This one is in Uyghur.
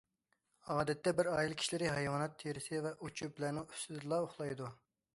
ئادەتتە بىر ئائىلە كىشىلىرى ھايۋانات تېرىسى ۋە ئوت- چۆپلەرنىڭ ئۈستىدىلا ئۇخلايدۇ.